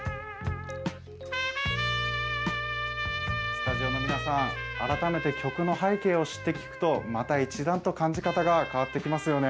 スタジオの皆さん、改めて曲の背景を知って聴くと、また一段と感じ方が変わってきま